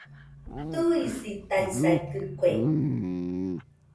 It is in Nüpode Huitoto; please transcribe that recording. Tɨisitaisaidɨkue